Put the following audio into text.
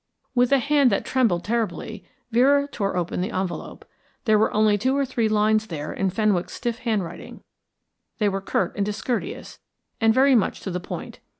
With a hand that trembled terribly, Vera tore open the envelope. There were only two or three lines there in Fenwick's stiff handwriting; they were curt and discourteous, and very much to the point.